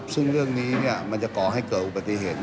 ซึ่งเรื่องนี้มันจะก่อให้เกิดอุบัติเหตุ